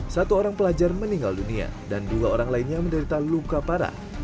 satu orang pelajar meninggal dunia dan dua orang lainnya menderita luka parah